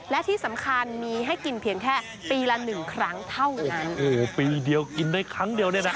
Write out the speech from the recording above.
และที่สำคัญมีให้กินเพียงแค่ปีละหนึ่งครั้งเท่านั้นโอ้โหปีเดียวกินได้ครั้งเดียวเนี่ยนะคะ